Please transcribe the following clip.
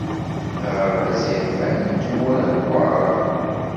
Aɣerbaz yeḥfan n tmura n waɛraben.